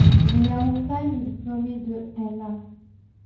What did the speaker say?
Liao Fan est diplômé de l'.